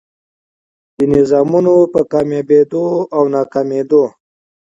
دې نظامونو په کاميابېدو او ناکامېدو